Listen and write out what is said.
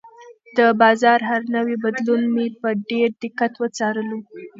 د بازار هر نوی بدلون مې په ډېر دقت وڅارلو.